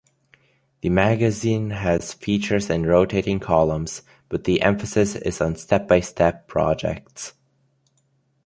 The magazine has features and rotating columns, but the emphasis is on step-by-step projects.